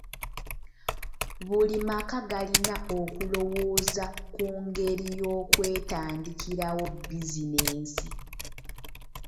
Buli maka galina okulowooza ku ngeri y'okwetandikirawo bizinensi.